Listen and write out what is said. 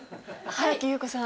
新木優子さん。